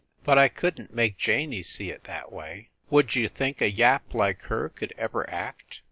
But I couldn t make Janey see it that way. Would you think a yap like her could ever act